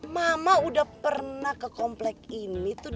mama udah pernah ke komplek ini tuh